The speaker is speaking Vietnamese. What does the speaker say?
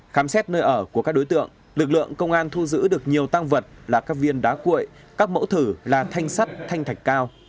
khám xét nơi ở của các đối tượng lực lượng công an thu giữ được nhiều tăng vật là các viên đá cuội các mẫu thử là thanh sắt thanh thạch cao